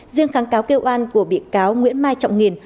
riêng kháng cáo kêu an của bị cáo nguyễn mai trọng nghiền